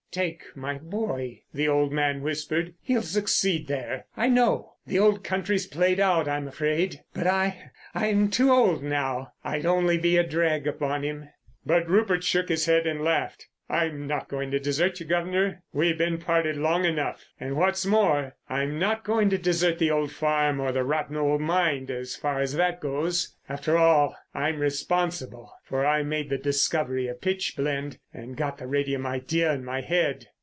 "Take my boy," the old man whispered, "he'll succeed there, I know. The old country's played out, I'm afraid. But I—I'm too old now. I'd only be a drag upon him." But Rupert shook his head and laughed. "I'm not going to desert you, guv'nor. We've been parted long enough. And, what's more, I'm not going to desert the old farm, or the rotten old mine, as far as that goes. After all, I'm responsible, for I made the discovery of pitch blende and got the radium idea in my head."